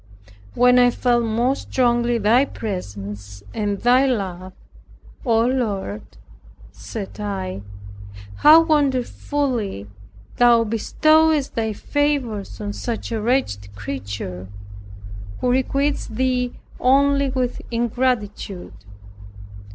When I felt most strongly Thy presence, and Thy love, O Lord, said I, how wonderfully Thou bestowest Thy favors on such a wretched creature, who requites Thee only with ingratitude.